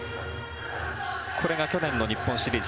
これが去年の日本シリーズ。